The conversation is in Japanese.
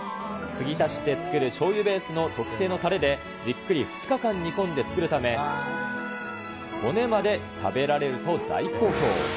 継ぎ足しで作るしょうゆベースの特製のたれで、じっくり２日間煮込んで作るため、骨まで食べられると大好評。